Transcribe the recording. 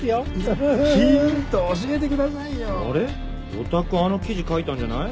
お宅あの記事書いたんじゃない？